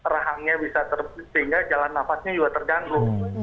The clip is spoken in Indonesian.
rahangnya bisa sehingga jalan nafasnya juga terganggu